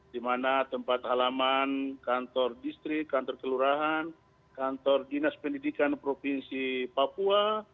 di mana tempat halaman kantor distrik kantor kelurahan kantor dinas pendidikan provinsi papua